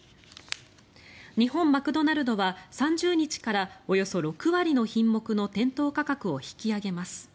日本マクドナルドは３０日からおよそ６割の品目の店頭価格を引き上げます。